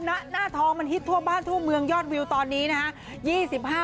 หน้าท้องมันฮิตทั่วบ้านทั่วเมืองยอดวิวตอนนี้นะฮะ